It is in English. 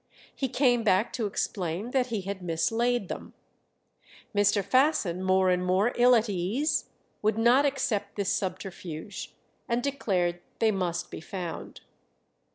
He came back to explain that he had mislaid them. Mr. Fasson, more and more ill at ease, would not accept this subterfuge, and declared they must be found.